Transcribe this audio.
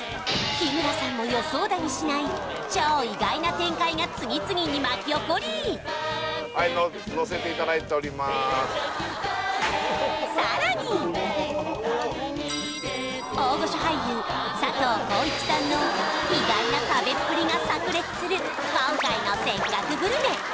日村さんも予想だにしない次々に巻き起こり大御所俳優佐藤浩市さんの意外な食べっぷりが炸裂する今回の「せっかくグルメ！！」